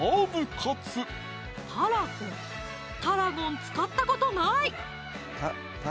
タラゴンタラゴン使ったことない！